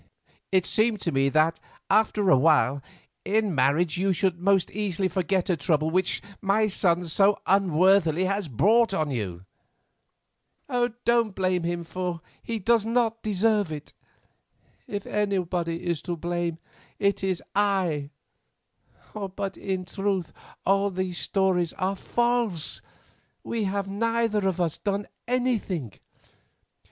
It seemed to me that, after a while, in marriage you would most easily forget a trouble which my son so unworthily has brought on you." "Don't blame him for he does not deserve it. If anybody is to blame it is I; but in truth all those stories are false; we have neither of us done anything."